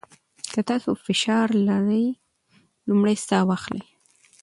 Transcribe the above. که تاسو فشار لرئ، لومړی ساه واخلئ.